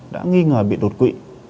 đã nghi ngờ bị đột quỵ